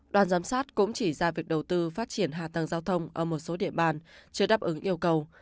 đoàn giám sát cũng chỉ ra việc đầu tư phát triển hạ tầng giao thông ở một số địa bàn chưa đáp ứng yêu cầu